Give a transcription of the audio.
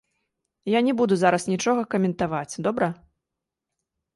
Я не буду зараз нічога каментаваць, добра?